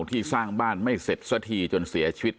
ที่สร้างบ้านไม่เสร็จสักทีจนเสียชีวิต